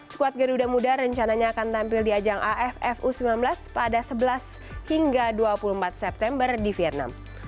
skuad garuda muda rencananya akan tampil di ajang aff u sembilan belas pada sebelas hingga dua puluh empat september di vietnam